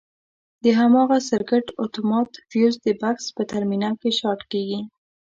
د هماغه سرکټ اتومات فیوز د بکس په ترمینل کې شارټ کېږي.